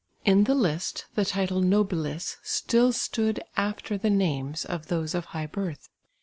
In the list the title "nobilis" still stood after the names of those of high birth.